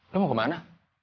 lo mau kemana